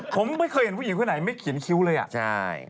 ผมไม่เคยเห็นผู้หญิงคนไหนไม่เขียนคิ้วเลยอ่ะใช่